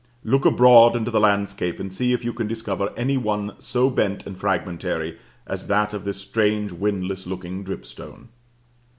Look abroad into the landscape and see if you can discover any one so bent and fragmentary as that of this strange windlass looking dripstone.